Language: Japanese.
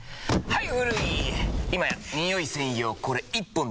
はい！